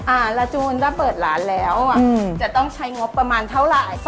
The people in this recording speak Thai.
ลาจูนถ้าเปิดร้านแล้วอ่ะจะต้องใช้งบประมาณเท่าไหร่